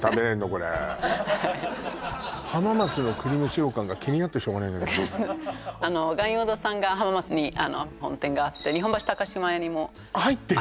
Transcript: これ浜松の栗蒸し羊羹が気になってしょうがないんだけど巖邑堂さんが浜松に本店があって日本橋島屋にも入ってる？